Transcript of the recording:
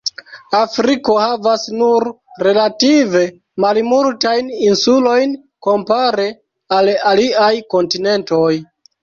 Afriko havas nur relative malmultajn insulojn kompare al aliaj kontinentoj.